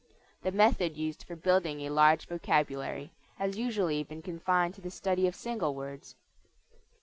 The method used for building a large vocabulary has usually been confined to the study of single words.